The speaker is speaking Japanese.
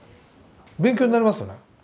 勉強になりますよね。